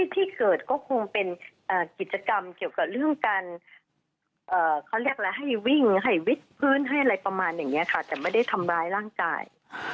ที่เกิดก็คงเป็นกิจกรรมเกี่ยวกับเรื่องการเขาเรียกอะไรให้วิ่งให้วิทพื้นให้อะไรประมาณอย่างนี้ค่ะแต่ไม่ได้ทำร้ายร่างกาย